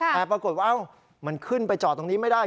แต่ปรากฏว่ามันขึ้นไปจอดตรงนี้ไม่ได้